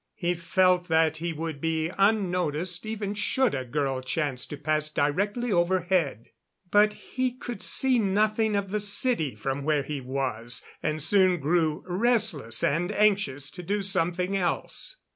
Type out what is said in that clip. He felt that he would be unnoticed, even should a girl chance to pass directly overhead. But he could see nothing of the city from where he was, and soon grew restless and anxious to do something else.